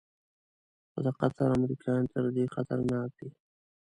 خو د قطر امریکایان تر دې خطرناک دي.